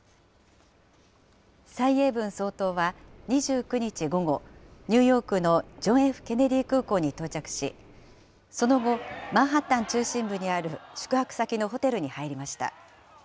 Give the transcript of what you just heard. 蔡英文総統は２９日午後、ニューヨークのジョン・Ｆ・ケネディ空港に到着し、その後、マンハッタン中心部にある宿泊先のホテルに入りました。